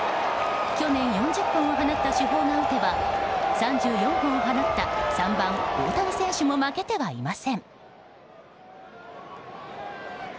去年、４０本を放った主砲が打てば３４本放った３番、大谷選手も負けてはいません。